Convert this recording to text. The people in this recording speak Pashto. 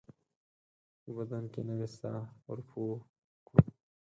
په بدن کې نوې ساه ورپو کړو